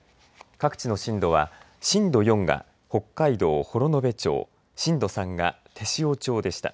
各地の震度は震度４が北海道幌延町震度３が天塩町でした。